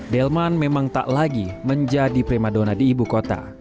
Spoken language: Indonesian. delman memang tak lagi menjadi prima donna di ibu kota